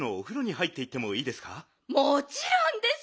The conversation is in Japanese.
もちろんです。